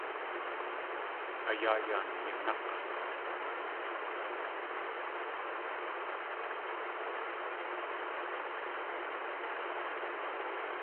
A yáa yan yinák̲!